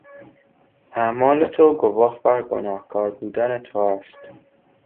اعمال تو گواه بر گناهکار بودن تو است.